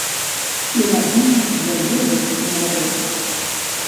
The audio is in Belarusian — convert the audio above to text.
І рабіць з яе высновы.